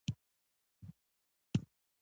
د دغه ولایت د ګیزاب ولسوالۍ په بېلا بېلو کلیو کې.